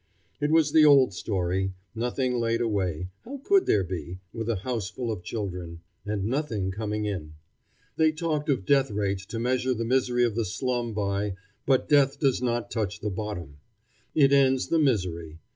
It was the old story: nothing laid away how could there be, with a houseful of children? and nothing coming in. They talk of death rates to measure the misery of the slum by, but death does not touch the bottom. It ends the misery.